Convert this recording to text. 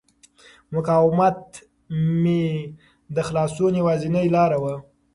مقاومت مې د خلاصون یوازینۍ لاره وه.